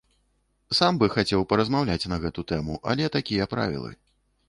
Сам бы хацеў паразмаўляць на гэту тэму, але такія правілы.